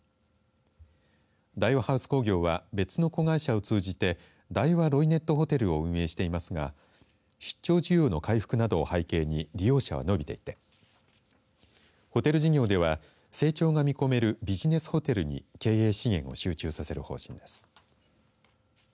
大和ハウス工業は別の子会社を通じてダイワロイネットホテルを運営していますが出張需要の回復などを背景に利用者は伸びていてホテル事業では成長が見込めるビジネルホテルに経営資源を集中させる方針です。